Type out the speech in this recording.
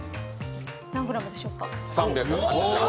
何グラムでしょうか？